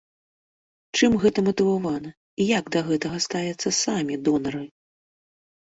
Чым гэта матывавана і як да гэтага ставяцца самі донары?